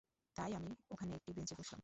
তাই আমি ওখানে একটা বেঞ্চে বসলাম।